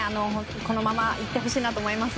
このままいってほしいなと思います。